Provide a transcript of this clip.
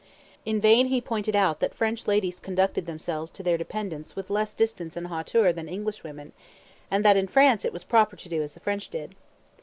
In vain he pointed out that French ladies conducted themselves to their dependants with less distance and hauteur than Englishwomen, and that in France it was proper to do as the French did.